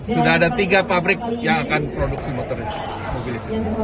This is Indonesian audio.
sudah ada tiga pabrik yang akan produksi motoris